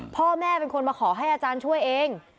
พ่อแม่เป็นคนมาขอให้อาจารย์ช่วยเอง